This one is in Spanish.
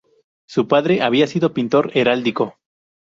Su padre había sido pintor heráldico.